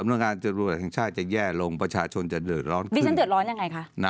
วิชันเดิดร้อนยังไง